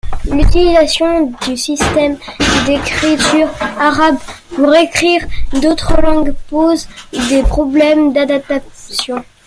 L'utilisation du système d'écriture arabe pour écrire d'autres langues pose des problèmes d'adaptation.